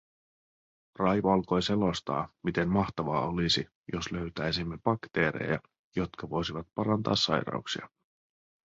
Raivo alkoi selostaa, miten mahtavaa olisi, jos löytäisimme bakteereja, jotka voisivat parantaa sairauksia.